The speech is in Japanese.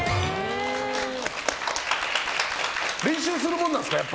練習するものなんですか。